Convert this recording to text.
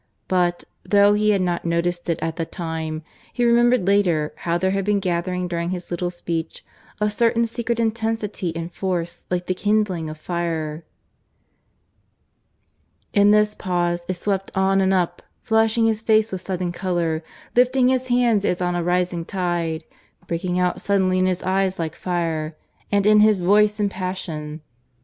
But, though he had not noticed it at the time, he remembered later how there had been gathering during his little speech a certain secret intensity and force like the kindling of a fire. In this pause it swept on and up, flushing his face with sudden colour, lifting his hands as on a rising tide, breaking out suddenly in his eyes like fire, and in his voice in passion.